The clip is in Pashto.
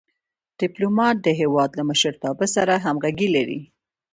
ډيپلومات د هېواد له مشرتابه سره همږغي لري.